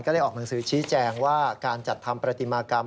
ได้ออกหนังสือชี้แจงว่าการจัดทำปฏิมากรรม